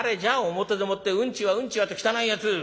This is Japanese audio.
表でもって『うんちはうんちは』と汚いやつ。